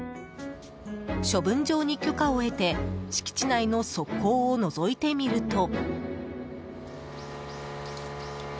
処分場に許可を得て敷地内の側溝をのぞいてみると。